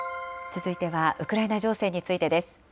続いてはウクライナ情勢についてです。